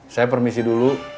saya permisi dulu